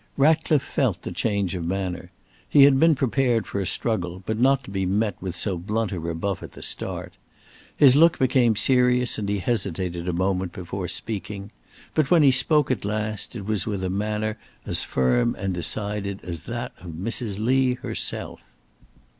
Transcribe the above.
Ratcliffe felt the change of manner. He had been prepared for a struggle, but not to be met with so blunt a rebuff at the start. His look became serious and he hesitated a moment before speaking, but when he spoke at last, it was with a manner as firm and decided as that of Mrs. Lee herself.